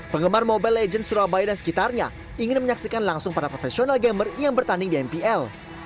penggemar mobile legends surabaya dan sekitarnya ingin menyaksikan langsung para profesional gamer yang bertanding di mpl